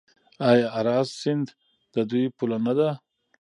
آیا اراس سیند د دوی پوله نه ده؟